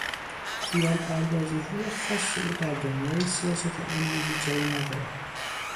خیال پردازیهای خاص او در دنیای سیاست امروزی جایی ندارد.